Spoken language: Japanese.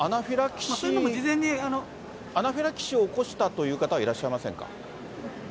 例えばアナフィラキシーを起こしたという方はいらっしゃいませんか？